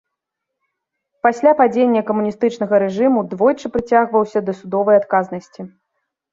Пасля падзення камуністычнага рэжыму двойчы прыцягваўся да судовай адказнасці.